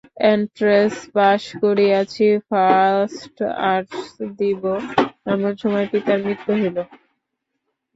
Entrance pass করিয়াছি, first arts দিব, এমন সময় পিতার মৃত্যু হইল।